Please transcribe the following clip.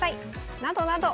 などなど